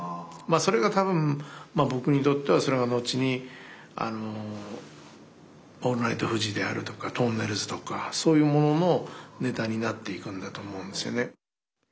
それが多分僕にとってはそれが後に「オールナイトフジ」であるとかとんねるずとかそういうもののネタになっていくんだと思うんですよね。